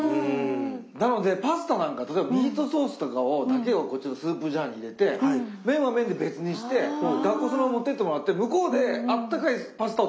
なのでパスタなんか例えばミートソースだけをこっちのスープジャーに入れて麺は麺で別にして学校そのまま持っていってもらって向こうであったかいパスタを食べれるっていう状態に。